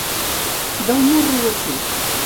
Del morro eixut.